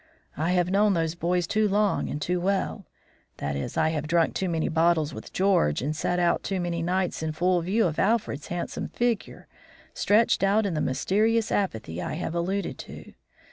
I have known those boys too long and too well; that is, I have drunk too many bottles with George and sat out too many nights in full view of Alfred's handsome figure, stretched out in the mysterious apathy I have alluded to.